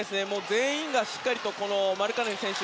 全員がしっかりマルカネン選手